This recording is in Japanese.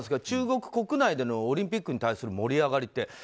中国国内でのオリンピックに対する盛り上がりって。